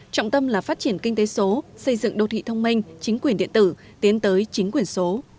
trọng tâm là phát triển kinh tế số xây dựng đô thị thông minh chính quyền điện tử tiến tới chính quyền số